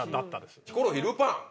ヒコロヒー『ルパン』。